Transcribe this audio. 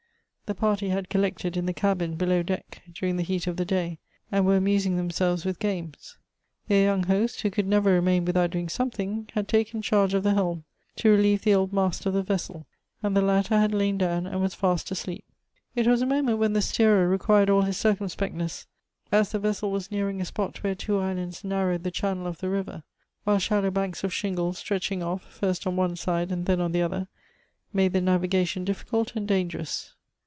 The party had collected in the cabin, below deck, durin<T the heat of the day, and were amusing themselves witli games. Their young host, who could never remain witli out doing something, had taken charge of the helm, to relieve the old master of the vessel, and the latter had lain down and was fast asleep. It was a moment when the steerer required all his circumspectness, as the vessel was nearing a spot where two islands narrowed the chan nel of the rive]', while shallow banks of shingle stretching off, first on one side and then on the other, made the navigation difficult and dangerous.